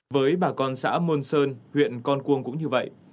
với bà con xã môn sơn huyện con cuông cũng như vậy